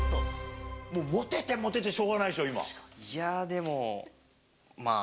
もうモテてモテてしょうがないやぁ、でも、まあ。